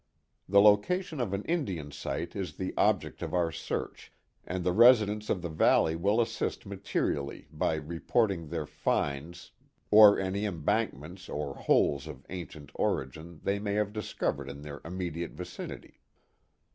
The location of an Indian site is the object of our search, and the residents of the valley will assist materially by re porting their " finds, " or any embankments or holes of ancient origin they may have discovered in their immediate vicinity.